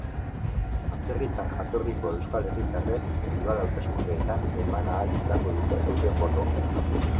Atzerritar jatorriko euskal herritarrek udal hauteskundeetan eman ahal izango dute euren botoa.